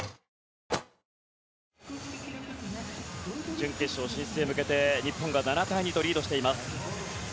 準決勝進出へ向けて日本が７対２とリードしています。